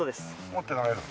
持って投げるの？